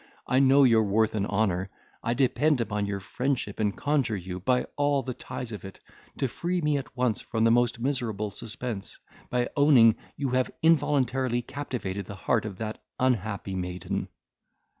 I know your worth and honour. I depend upon your friendship, and conjure you, by all the ties of it, to free me at once from the most miserable suspense, by owning you have involuntarily captivated the heart of that unhappy maiden."